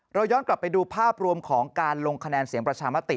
เราย้อนกลับไปดูภาพรวมของการลงคะแนนเสียงประชามติ